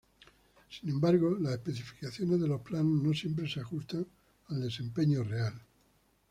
Sin embargo, las especificaciones de los planos no siempre se ajustan al desempeño real.